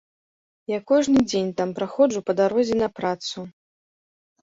Я кожны дзень там праходжу па дарозе на працу.